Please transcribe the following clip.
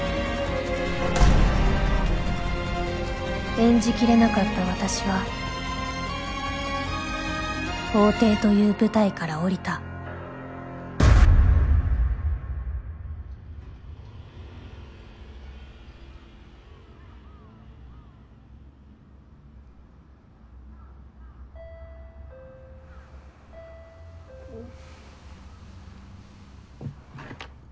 演じきれなかった私は法廷という舞台から降りたん。